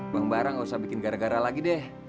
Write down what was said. bang bara gak usah bikin gara gara lagi deh